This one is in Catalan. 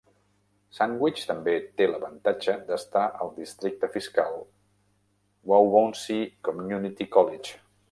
Sandwich també té l"avantatge d"estar al districte fiscal Waubonsee Community College.